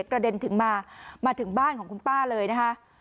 กระเด็นถึงมามาถึงบ้านของคุณป้าเลยนะคะ